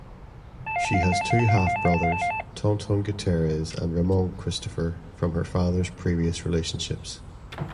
She has two half-brothers, Tonton Gutierrez and Ramon Christopher, from her father's previous relationships.